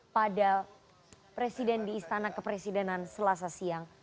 pada presiden di istana kepresidenan selasa siang